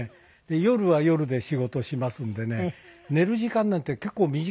夜は夜で仕事をしますんでね寝る時間なんて結構短いんですよ。